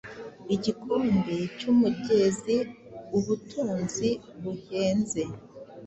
igikombe cyumugeziubutunzi buhenze-